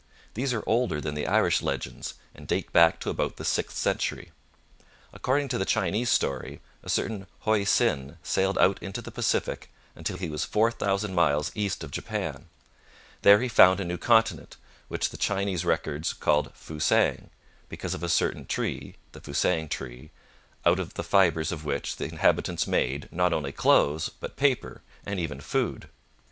These are older than the Irish legends, and date back to about the sixth century. According to the Chinese story, a certain Hoei Sin sailed out into the Pacific until he was four thousand miles east of Japan. There he found a new continent, which the Chinese records called Fusang, because of a certain tree the fusang tree, out of the fibres of which the inhabitants made, not only clothes, but paper, and even food.